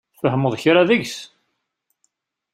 Tfehmeḍ kra deg-s?